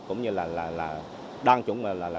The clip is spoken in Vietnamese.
cũng như đoàn chủng là khảo sát